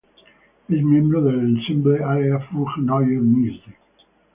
Es miembro del "Ensemble Alea für neue Musik".